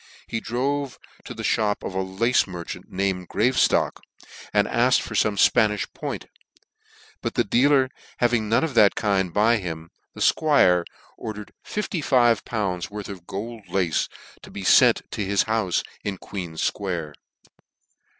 He drove to the fhop of a lace merchant named Graveftock, and afked for fome Spanifh point : but the dealer having none of that kind by him, the 'Squire ordered fifty five pounds worth of gold lace to be fent to his houfe in Queen's Square.